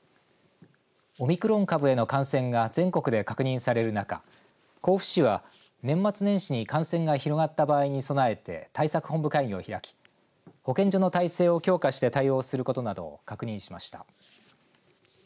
オミクロン株への感染が全国で確認される中甲府市は、年末年始に感染が広がった場合に備えて対策本部会議を開き保健所の体制を強化して対応することなどを確認しました。